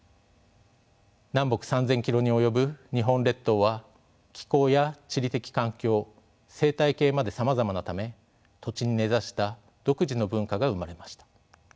南北３，０００キロに及ぶ日本列島は気候や地理的環境生態系までさまざまなため土地に根ざした独自の文化が生まれました。